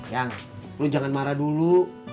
yang perlu jangan marah dulu